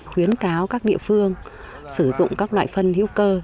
khuyến cáo các địa phương sử dụng các loại phân hữu cơ